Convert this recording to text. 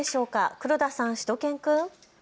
黒田さん、しゅと犬くん。